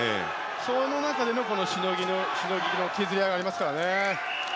その中でのしのぎの削り合いがありますから。